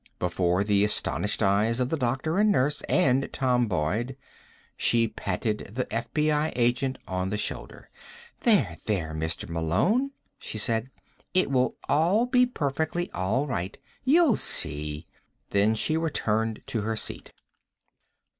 Before the astonished eyes of the doctor and nurse, and Tom Boyd, she patted the FBI agent on the shoulder. "There, there, Mr. Malone," she said. "It will all be perfectly all right. You'll see." Then she returned to her seat.